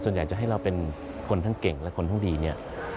ส่วนใหญ่จะให้เราเป็นคนทั้งเก่งและคนทั้งดี